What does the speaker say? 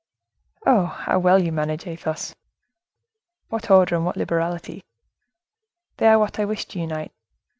"Oh! how well you manage, Athos! What order and what liberality! They are what I wish to unite!